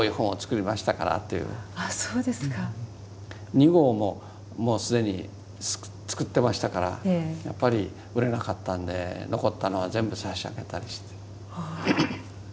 ２号ももう既に作ってましたからやっぱり売れなかったんで残ったのは全部差し上げたりして。